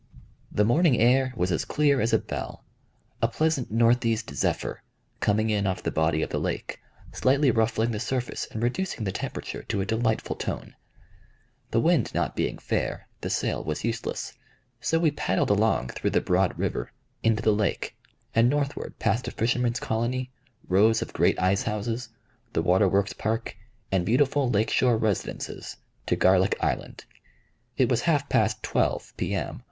The morning air was as clear as a bell, a pleasant northeast zephyr, coming in off the body of the lake, slightly ruffling the surface and reducing the temperature to a delightful tone. The wind not being fair, the sail was useless, so we paddled along through the broad river, into the lake and northward past a fishermen's colony, rows of great ice houses, the water works park, and beautiful lake shore residences, to Garlic Island. It was half past twelve, P.M.